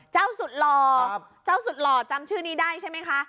เจ้าสุดหล่อจำชื่อนี้ได้ใช่ไหมคะ